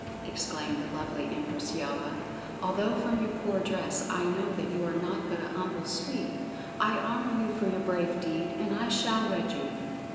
exclaimed the lovely Empress Yelva. "Although from your poor dress I know that you are naught but a humble Sweep, I honor you for your brave deed, and I shall wed you."